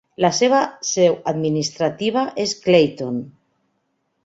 La seva seu administrativa és Clayton.